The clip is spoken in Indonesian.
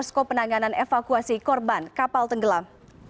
posko penanganan evakuasi korban kapal tenggelam